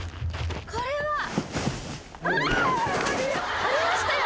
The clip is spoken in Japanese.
これは。